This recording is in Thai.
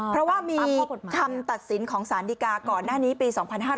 เพราะว่ามีพบคำตัดสินของสารดีกาก่อนหน้านี้ปี๒๕๕๙